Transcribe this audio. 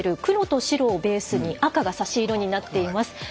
黒と白をベースに赤が差し色になっています。